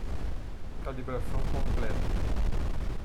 Calibração completa.